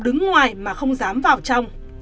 đứng ngoài mà không dám vào trong